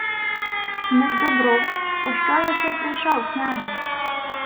— Не к добру... Пощо єси прийшов, княже?